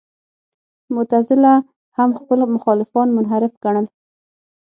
معتزله هم خپل مخالفان منحرف ګڼل.